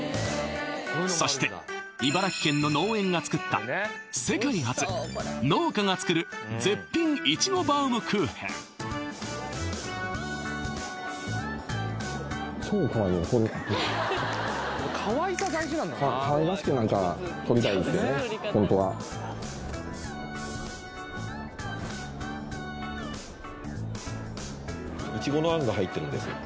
そして茨城県の農園が作った世界初農家が作る絶品イチゴバウムクーヘンですね